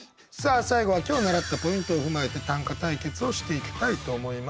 最後は今日習ったポイントを踏まえて短歌対決をしていきたいと思います。